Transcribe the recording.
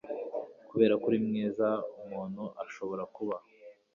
kuberako uri mwiza umuntu ashobora kuba